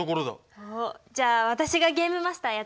おっじゃあ私がゲームマスターやってあげる。